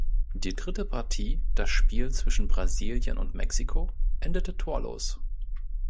Die dritte Partie, das Spiel zwischen Brasilien und Mexiko, endete torlos.